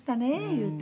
言うて。